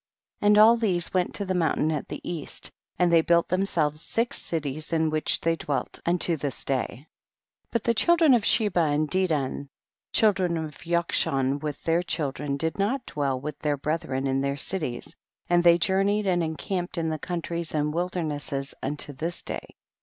7. And all these went to the moun tain at the east, and they built them selves six cities in which they dwelt unto this day. 8. But the children of Sheba and Dedan, children of Yokshan, with their children, did not dwell with their brethren in their cities, and they jour neyed and encamped in the countries and wildernesses unto this day.